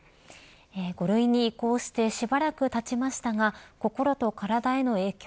５類に移行してしばらくたちましたが心と体への影響